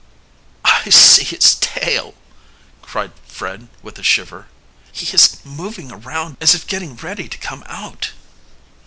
"I see his tail!" cried Fred with a shiver. "He is moving around as if getting ready to come out."